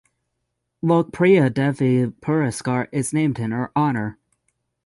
Lok Priya Devi Puraskar is named in her honour.